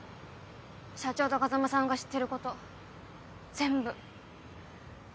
社長と風真さんが知ってること全部。